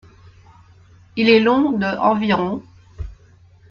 Il est long de environ.